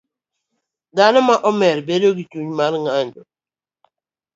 Dhano ma omer bedo gi chuny mar ng'anjo